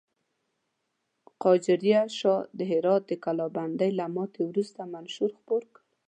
قاجاري شاه د هرات د کلابندۍ له ماتې وروسته منشور خپور کړ.